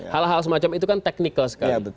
hal hal semacam itu kan technical sekali